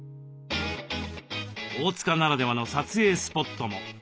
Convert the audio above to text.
大塚ならではの撮影スポットも。